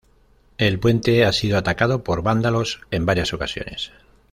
El puente ha sido atacado por vándalos en varias ocasiones.